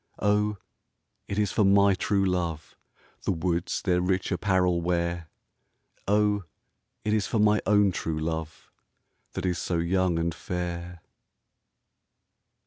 O, it is for my true love The woods their rich apparel wear — O, it is for my own true love, That is so young and fair.